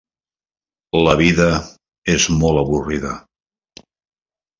La vida és molt avorrida.